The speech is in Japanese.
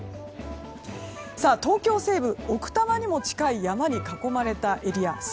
東京西部、奥多摩にも近い山に囲まれたエリア。